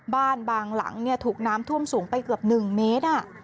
บ้านบางหลังเนี่ยถูกน้ำท่วมสูงไปเกือบ๑เมตร